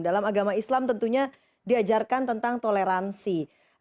dalam agama islam tentunya diajarkan tentang toleransi